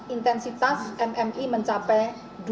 intensitas mmi mencapai dua